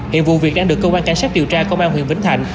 hiện vụ việc đang được công an cảnh sát điều tra công an huyện vĩnh thạnh